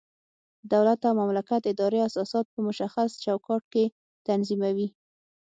د دولت او مملکت ادارې اساسات په مشخص چوکاټ کې تنظیموي.